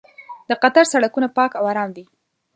د قطر سړکونه پاک او ارام دي.